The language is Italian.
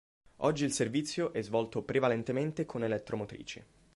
Oggi il servizio è svolto prevalentemente con elettromotrici.